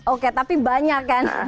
oke tapi banyak kan